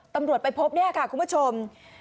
ตำรวจไปพบเนี่ยค่ะคุณผู้ชม